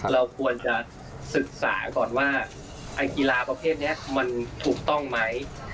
เราควรจะศึกษาก่อนว่าไอ้กีฬาประเภทนี้มันถูกต้องไหม